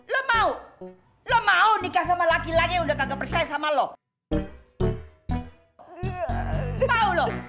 lu mau lu mau nikah sama laki laki yang udah kagak percaya sama lu